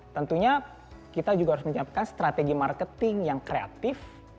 tentunya kita juga harus menyiapkan strategi marketing yang kreatif